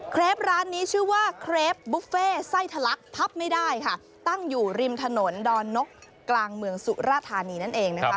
ร้านนี้ชื่อว่าเครปบุฟเฟ่ไส้ทะลักพับไม่ได้ค่ะตั้งอยู่ริมถนนดอนนกกลางเมืองสุราธานีนั่นเองนะคะ